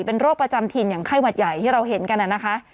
เป็นโรคประจำถิ่นอย่างไข้หวัดใหญ่ที่เราเห็นกันนะคะ